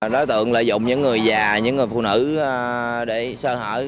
đối tượng lợi dụng những người già những người phụ nữ để sơ hở